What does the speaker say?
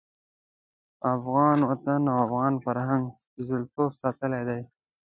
افغان وطن او افغان فرهنګ سپېڅلتوب ساتلی دی.